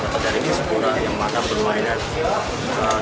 tapi hari ini segera yang banyak bermainan